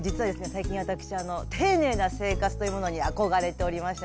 最近私丁寧な生活というものに憧れておりましてね